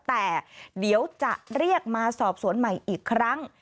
แต่เดี๋ยวจะเรียกมาสอบสวนใหม่อีกครั้ง